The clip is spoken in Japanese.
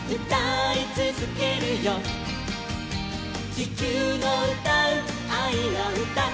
「地球のうたうあいのうた」